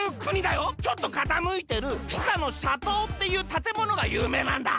ちょっとかたむいてるピサの斜塔っていうたてものがゆうめいなんだ。